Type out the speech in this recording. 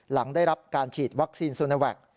หลังได้รับการฉีดวัคซีนโซโนแวค